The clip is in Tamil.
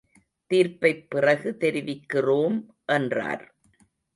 தீர்ப்பைப் பிறகு தெரிவிக்கிறோம் என்றார்.